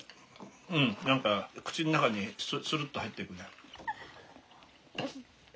うん何か口の中にスルッと入っていくね。